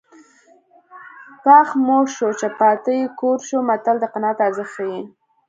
پښ موړ شو چې پاته یې کور شو متل د قناعت ارزښت ښيي